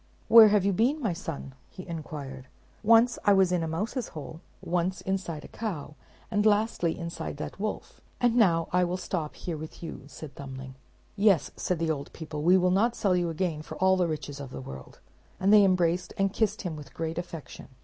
"Where have you been, my son?" he inquired. "Once I was in a mouse's hole, once inside a cow, and lastly inside that wolf; and now I will stop here with you," said Thumbling. "Yes," said the old people, "we will not sell you again for all the riches of the world;" and they embraced and kissed him with great affection.